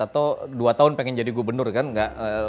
atau dua tahun pengen jadi gubernur kan enggak